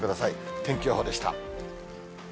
天気予報でした。